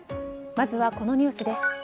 まずはこのニュースです。